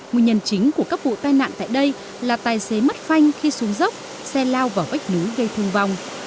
nguyên nhân chính của các vụ tai nạn tại đây là tài xế mất phanh khi xuống dốc xe lao vào vách núi gây thương vong